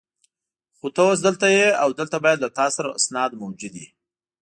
خو ته اوس دلته یې او دلته باید له تا سره اسناد موجود وي.